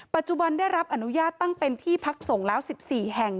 ปัจจุบันได้รับอนุญาตตั้งเป็นที่พักส่งแล้ว๑๔แห่ง